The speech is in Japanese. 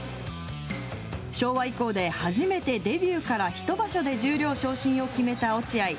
昭和以降で初めて、デビューから１場所で十両昇進を決めた落合。